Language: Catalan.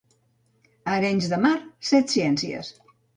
A Arenys de Mar, setciències.